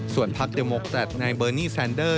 ส่วนพักเดโมแครตในเบอร์นี่แซนเดอร์